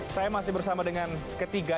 saya masih bersama dengan ketiga